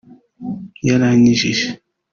yarankijije